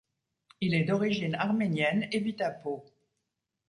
Il est d'origine arménienne et vit à Pau.